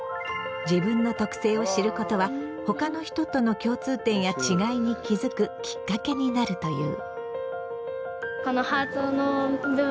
自分の特性を知ることは他の人との共通点や違いに気付くきっかけになるという。